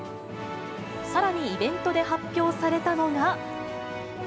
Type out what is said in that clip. さらにイベントで発表されたのが。